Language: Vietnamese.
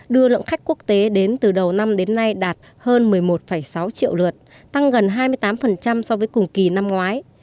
đưa lượng khách quốc tế đến từ đầu năm đến nay đạt hơn một mươi một sáu triệu lượt tăng gần hai mươi tám so với cùng kỳ năm ngoái